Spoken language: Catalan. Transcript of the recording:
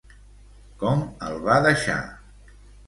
Com el va deixar?